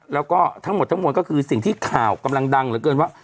แล้วก็ทั้งหมดทั้งมวลก็คือสิ่งที่ข่าวกำลังดังเหลือเกินว่า